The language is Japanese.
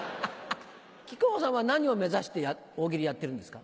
木久扇さんは何を目指して大喜利やってるんですか？